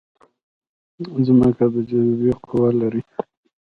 ځمکه د جاذبې قوه لري